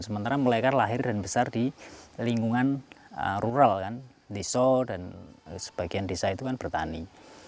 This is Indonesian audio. sementara mereka lahir dan besar di lingkungan rural kan desa dan sebagian desa itu kan bertani